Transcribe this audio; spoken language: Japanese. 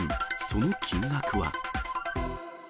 その金額は？